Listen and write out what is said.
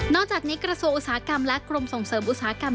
จากนี้กระทรวงอุตสาหกรรมและกรมส่งเสริมอุตสาหกรรม